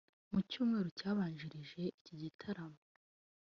Mu cyumweru cyabanjirije iki gitaramo